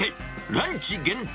ランチ限定